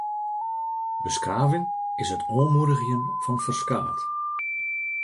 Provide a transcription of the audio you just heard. Beskaving is it oanmoedigjen fan ferskaat.